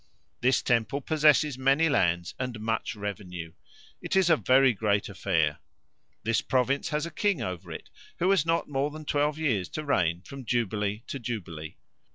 This temple possesses many lands and much revenue: it is a very great affair. This province has a king over it, who has not more than twelve years to reign from jubilee to jubilee.